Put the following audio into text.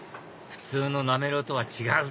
普通のなめろうとは違う！